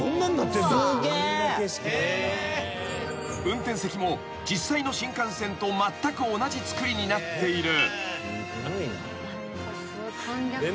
［運転席も実際の新幹線とまったく同じ造りになっている］